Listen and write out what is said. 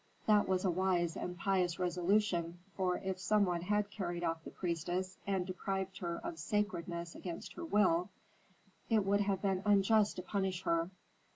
That was a wise and pious resolution, for if some one had carried off the priestess and deprived her of sacredness against her will, it would have been unjust to punish her.